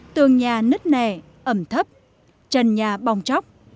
tường nhà nứt nẻ ẩm thấp trần nhà bong chóc